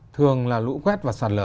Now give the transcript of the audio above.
thường là lũ quét và sạt lở